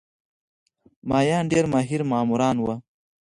مایان ډېر ماهر معماران وو.